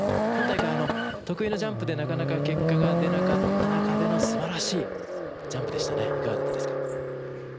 今大会、得意のジャンプでなかなか結果が出なかった中でのすばらしいジャンプでしたね。